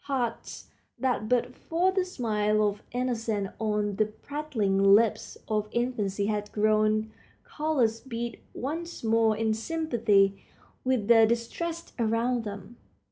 Hearts that but for the smile of innocence on the prattling lips of infancy had grown callous beat once more in sympathy with the distressed around them.